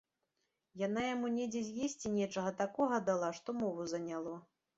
Яна яму недзе з есці нечага такога дала, што мову заняло.